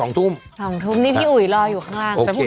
นี่พี่อุ่ยรออยู่ข้างล่าง